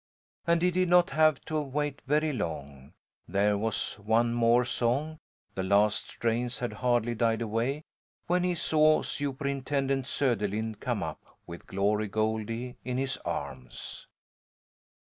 And he did not have to wait very long! There was one more song; the last strains had hardly died away when he saw Superintendent Söderlind come up, with Glory Goldie in his arms.